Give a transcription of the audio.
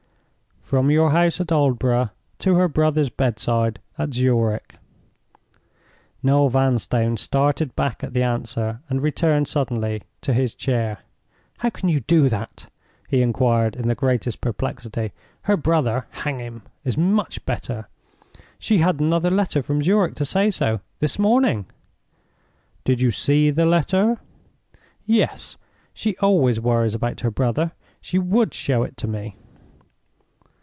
"From your house at Aldborough to her brother's bedside at Zurich." Noel Vanstone started back at the answer, and returned suddenly to his chair. "How can you do that?" he inquired, in the greatest perplexity. "Her brother (hang him!) is much better. She had another letter from Zurich to say so, this morning." "Did you see the letter?" "Yes. She always worries about her brother—she would show it to me."